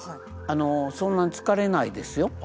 あのそんなに疲れないですよ。